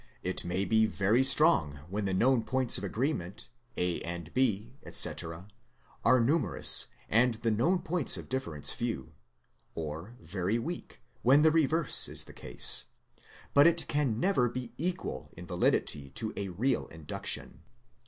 It may be very strong, when the known points of agreement, A and B &c. are numerous and the known points of difference few; or very weak, when the reverse is the case : but ifc can never be equal in validity to a real induction.